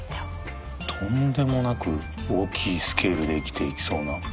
とんでもなく大きいスケールで生きていきそうな。